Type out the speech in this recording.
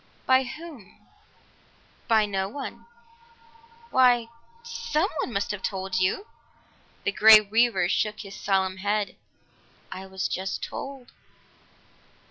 "By whom?" "By no one." "Why someone must have told you!" The Grey Weaver shook his solemn head. "I was just told."